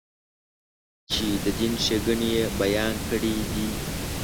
چې د دین ښېګڼې یې بیان کړې دي.